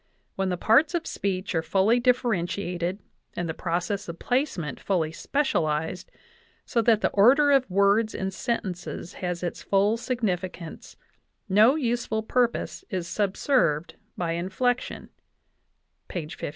When the parts of speech are fully differentiated and the process of placement fully specialized, so that the order of words in sentences has its full significance, no useful purpose is subserved by inflection' 5 (p. 15).